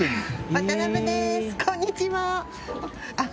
こんにちはあっ